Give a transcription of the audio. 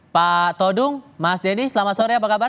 pak todung mas denny selamat sore apa kabar